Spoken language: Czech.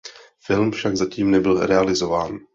Film však zatím nebyl realizován.